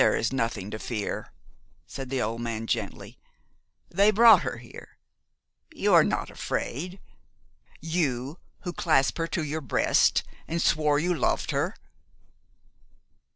"There is nothing to fear," said the old man gently. "They brought her here. You are not afraid you, who clasped her to your breast, and swore you loved her?"